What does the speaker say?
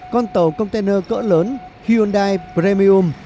con tàu container cỡ lớn hyundai premium